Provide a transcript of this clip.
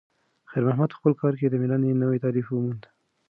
خیر محمد په خپل کار کې د میړانې نوی تعریف وموند.